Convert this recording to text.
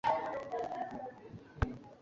calaboose ibaho muri texas yose kandi ikoreshwa